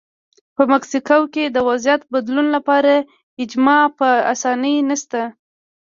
په مکسیکو کې د وضعیت بدلون لپاره اجماع په اسانۍ نشته.